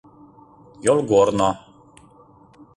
Йолгорно